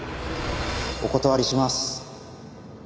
お断りします。